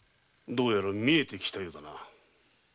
どうやら見えて来たようだな。